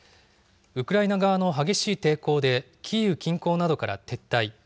ウクライナ側の激しい抵抗で、キーウ近郊などから撤退。